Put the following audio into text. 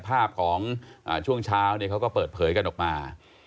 ภาพของช่วงเช้าเขาก็เปิดเผยกันออกมา